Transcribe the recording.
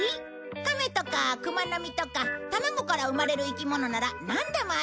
カメとかクマノミとか卵から生まれる生き物ならなんでもあるよ。